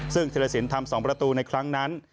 ซึ่งธิรสินทำ๒ประตูในครั้งนั้น